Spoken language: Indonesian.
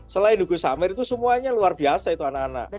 selain hugo samir itu semuanya luar biasa itu anak anak